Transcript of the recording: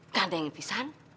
gak ada yang ngepisah kan